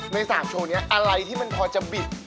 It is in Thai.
ใน๓โชว์นี้อะไรที่มันพอจะบิด